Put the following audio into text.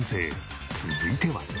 続いては。